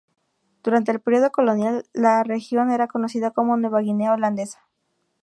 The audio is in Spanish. Durante el periodo colonial, la región era conocida como "Nueva Guinea Holandesa".